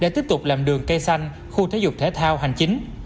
để tiếp tục làm đường cây xanh khu thể dục thể thao hành chính